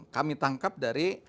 kami tangkap dari